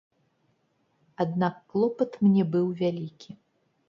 Аднак клопат мне быў вялікі.